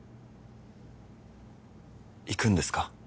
行くんですか？